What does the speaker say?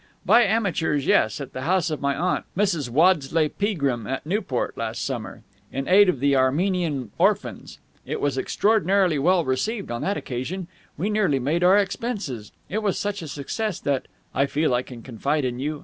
"By amateurs, yes, at the house of my aunt, Mrs. Waddesleigh Peagrim, at Newport, last summer. In aid of the Armenian orphans. It was extraordinarily well received on that occasion. We nearly made our expenses. It was such a success that I feel I can confide in you.